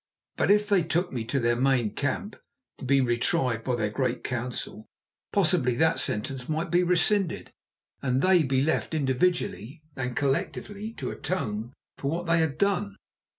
But if they took me to their main camp to be re tried by their great council, possibly that sentence might be rescinded and they be left individually and collectively to atone for what they had done.